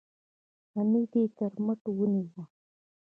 حميديې تر مټ ونيو.